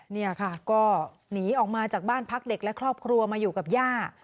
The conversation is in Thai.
นี่ค่ะก็หนีออกมาจากบ้านพักเด็กและครอบครัวมาอยู่กับย่า